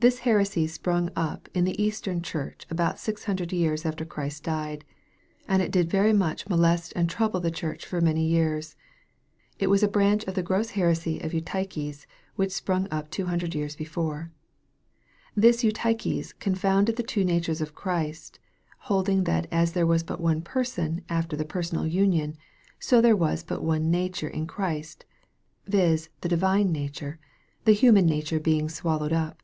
This heresy sprung up in the East ern church about 600 years after Christ ; and it did very much mo lest and trouble the church for many years. It was a branch of the gross heresy of Eutyches which sprung up 200 years before. This Eutyches confounded the two natures in Christ, holding that as there was but one Person after the personal union, so there was but one nature in Christ, viz. the divine nature, the human nature being swal lowed up.